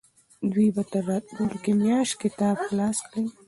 دوی به تر راتلونکې میاشتې کتاب خلاص کړي.